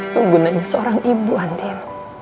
tunggu nanya seorang ibu andin